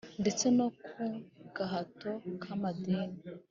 Ndetse no ku gahato k`amadini.